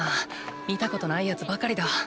見たことないやつばかりだ！